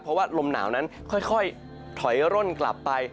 เพราะว่าลมหนาวนั้นค่อยถอยร่นกลับไป